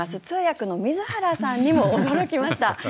通訳の水原さんにも驚きました。